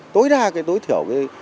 tối đa tối thiểu